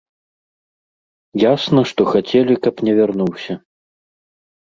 Ясна, што хацелі, каб не вярнуўся.